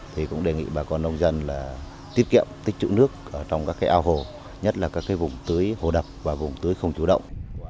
thì cũng đề nghị bà con nông dân là tiết kiệm tích trụ nước trong các cái ao hồ nhất là các cái vùng tưới hồ đập và vùng tưới không chủ động